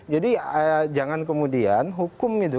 jadi jangan kemudian hukum itu